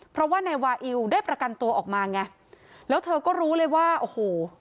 เพราะว่านายวาอิวได้ประกันตัวออกมาไงแล้วเธอก็รู้เลยว่าโอ้โห